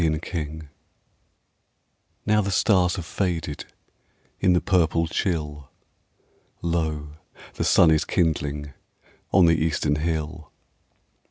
At Sunrise Now the stars have faded In the purple chill, Lo, the sun is kindling On the eastern hill.